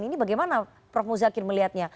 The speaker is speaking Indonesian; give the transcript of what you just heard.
ini bagaimana prof muzakir melihatnya